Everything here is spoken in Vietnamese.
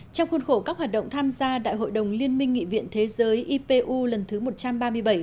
trong khuôn khổ các hoạt động tham gia đại hội đồng liên minh nghị viện thế giới ipu lần thứ một trăm ba mươi bảy tại st petersburg liên bang nga